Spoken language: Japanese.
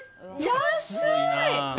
安い！